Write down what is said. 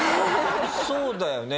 そうだよね。